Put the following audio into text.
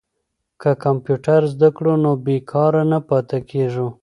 که کمپیوټر زده کړو نو بې کاره نه پاتې کیږو.